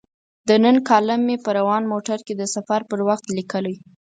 د نن کالم مې په روان موټر کې د سفر پر وخت لیکلی.